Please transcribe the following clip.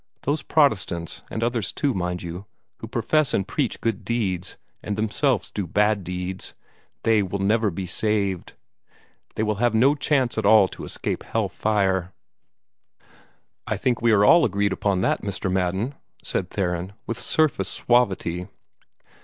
Those Protestants, and others too, mind you, who profess and preach good deeds, and themselves do bad deeds they will never be saved. They will have no chance at all to escape hell fire." "I think we are all agreed upon that, Mr. Madden," said Theron, with surface suavity.